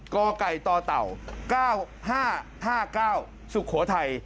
กไก่ต่อเต่า๙๕๕๙สุโขทัย